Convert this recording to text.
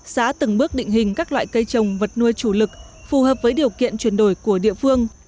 xã từng bước định hình các loại cây trồng vật nuôi chủ lực phù hợp với điều kiện chuyển đổi của địa phương